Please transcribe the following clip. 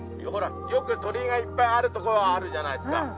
ほらよく鳥居がいっぱいあるとこはあるじゃないですか。